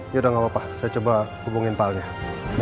yaudah nggak apa apa saya coba hubungin pak aldebarannya